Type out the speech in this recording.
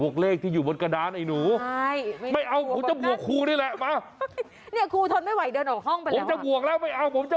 เขาบอกว่าครูหมายถึงบวกเลข